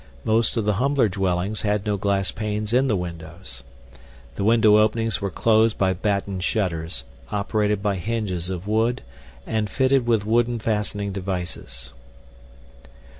Most of the humbler dwellings had no glass panes in the windows. The window openings were closed by batten shutters, operated by hinges of wood and fitted with wooden fastening devices.